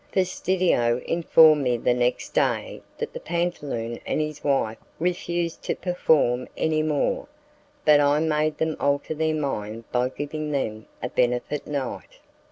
Fastidio informed me the next day that the pantaloon and his wife refused to perform any more, but I made them alter their mind by giving them a benefit night.